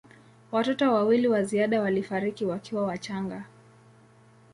Watoto wawili wa ziada walifariki wakiwa wachanga.